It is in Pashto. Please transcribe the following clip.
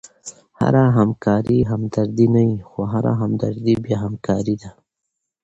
هره همکاري همدردي نه يي؛ خو هره همدردي بیا همکاري ده.